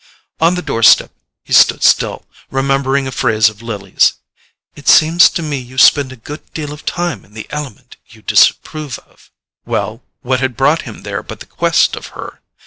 On the doorstep he stood still, remembering a phrase of Lily's: "It seems to me you spend a good deal of time in the element you disapprove of." Well—what had brought him there but the quest of her?